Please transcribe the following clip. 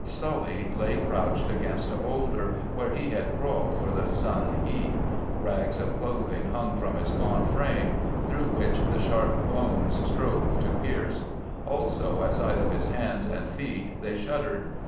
Sully lay crouched against a boulder where he had crawled for the sun heat. Rags of clothing hung upon his gaunt frame, through which the sharp bones strove to pierce; also at sight of his hands and feet they shuddered.